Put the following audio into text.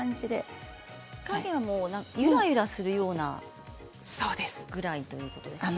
火加減はゆらゆらするようなぐらいということですか？